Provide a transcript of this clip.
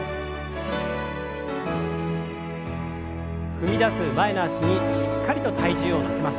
踏み出す前の脚にしっかりと体重を乗せます。